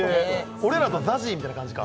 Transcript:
俺らとＺＡＺＹみたいな感じか